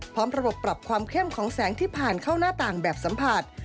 พร้อมระบบปรับความเข้มของแสงที่ผ่านเข้าหน้าต่างแบบสัมผัส